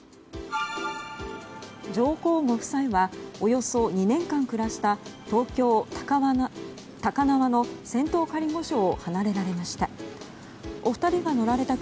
上皇ご夫妻はおよそ２年間暮らした東京・高輪の仙洞仮御所を離れられました。